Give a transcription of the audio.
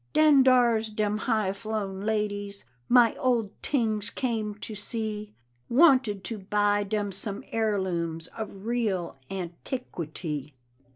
Den dar's dem high flown ladies My old tings came to see; Wanted to buy dem some heirlooms Of real Aunt Tiquity.